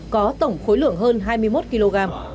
có tổng khối lượng hơn hai mươi một kg